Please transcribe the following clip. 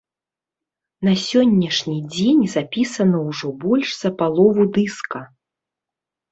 На сённяшні дзень запісана ўжо больш за палову дыска.